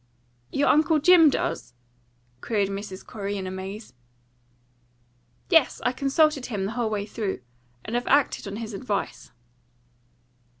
"Your Uncle Jim does?" queried Mrs. Corey in amaze. "Yes; I consulted him the whole way through, and I've acted on his advice."